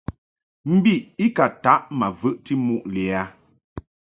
Mbiʼ i ka ntaʼ ma vəʼti muʼ lɛ a.